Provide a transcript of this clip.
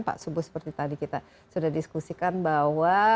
pak subuh seperti tadi kita sudah diskusikan bahwa